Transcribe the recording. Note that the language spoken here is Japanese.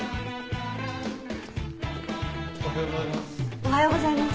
おはようございます。